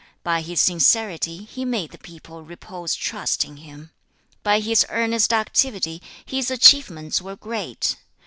By his sincerity, he made the people repose trust in him. By his earnest activity, his achievements were great.